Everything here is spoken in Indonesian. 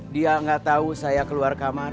dia gak tau saya keluar kamar